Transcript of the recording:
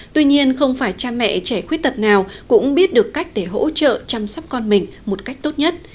tuy nhiên không phải cha mẹ trẻ khuyết tật nào cũng biết được cách để hỗ trợ chăm sóc con mình một cách tốt nhất